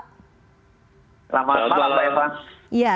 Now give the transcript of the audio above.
selamat malam pak